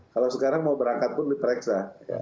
kalau sekarang mau berangkat pun diperiksa